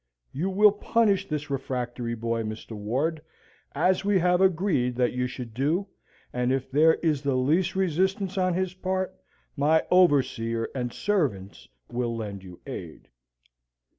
You will punish this refractory boy, Mr. Ward, as we have agreed that you should do, and if there is the least resistance on his part, my overseer and servants will lend you aid."